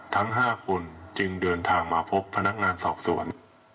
ทั้ง๕คนจึงเดินทางมาพบพนักงานสอบสวน